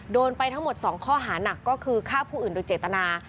โดนไปทั้งหมด๒ข้อหานักก็คือฆ่าผู้อื่นโดยเจตนา